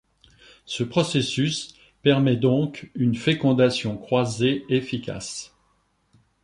Ce processus permet donc une fécondation croisée efficace.